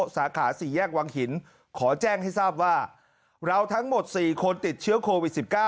สาขา๔แยกวังหินขอแจ้งให้ทราบว่าเราทั้งหมด๔คนติดเชื้อโควิด๑๙